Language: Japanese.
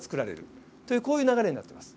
というこういう流れになってます。